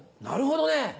なるほどね。